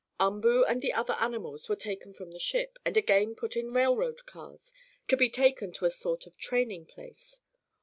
Umboo and the other animals were taken from the ship, and again put in railroad cars to be taken to a sort of training place.